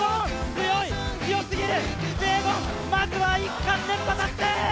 強い、強すぎる、キピエゴン、まずは１冠連覇達成！